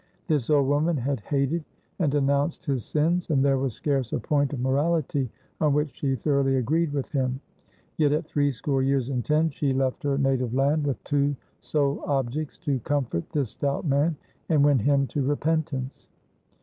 This old woman had hated and denounced his sins, and there was scarce a point of morality on which she thoroughly agreed with him. Yet at threescore years and ten she left her native land with two sole objects to comfort this stout man, and win him to repentance.